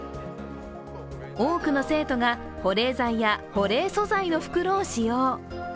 多くの生徒が保冷剤や保冷素材の袋を使用。